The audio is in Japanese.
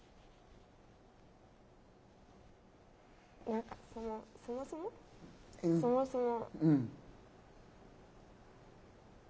何かそもそもそもそも。